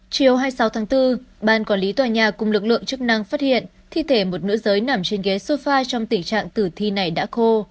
chiều hai mươi sáu tháng bốn ban quản lý tòa nhà cùng lực lượng chức năng phát hiện thi thể một nữ giới nằm trên ghế sofa trong tình trạng tử thi này đã khô